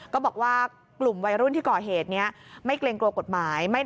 ก็บอกว่ากลุ่มวัยรุ่นที่ก่อเหตุนี้ไม่เกรงกลัวกฎหมาย